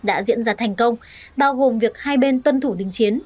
đã diễn ra thành công bao gồm việc hai bên tuân thủ đình chiến